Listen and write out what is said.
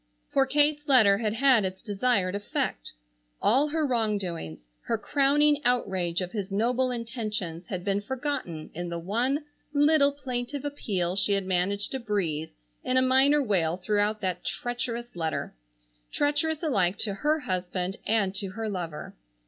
For Kate's letter had had its desired effect. All her wrongdoings, her crowning outrage of his noble intentions, had been forgotten in the one little plaintive appeal she had managed to breathe in a minor wail throughout that treacherous letter, treacherous alike to her husband and to her lover.